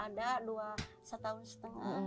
ada dua setahun setengah